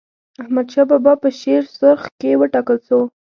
احمدشاه بابا په شیرسرخ کي و ټاکل سو.